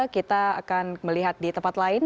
kita akan melihat di tempat lain